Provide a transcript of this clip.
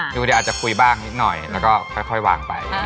ดูเดี๋ยวอาจจะคุยบ้างนิดหน่อยแล้วก็ค่อยวางไป